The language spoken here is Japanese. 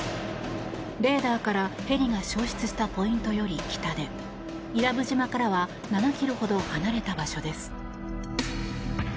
レーダーからヘリが消失したポイントより北で伊良部島からは７ｋｍほど離れた場所です。